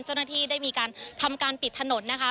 เจ้าหน้าที่ได้มีการทำการปิดถนนนะคะ